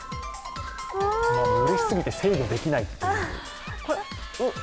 うれしすぎて制御できないという。